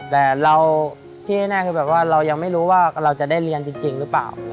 แต่เราที่แน่คือแบบว่าเรายังไม่รู้ว่าเราจะได้เรียนจริงหรือเปล่า